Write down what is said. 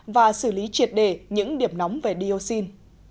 và xử lý triệt đề những điểm nóng về dioxin